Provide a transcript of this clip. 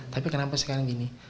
tapi kenapa sekarang begini